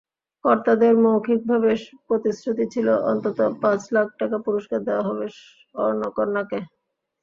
কর্তাদের মৌখিকভাবে প্রতিশ্রুতি ছিল, অন্তত পাঁচ লাখ টাকা পুরস্কার দেওয়া হবে স্বর্ণকন্যাকে।